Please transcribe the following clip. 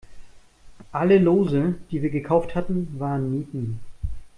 Alle Lose, die wir gekauft hatten, waren Nieten.